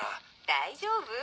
大丈夫？